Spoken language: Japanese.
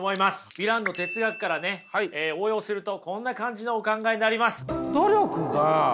ビランの哲学からね応用するとこんな感じのお考えになります。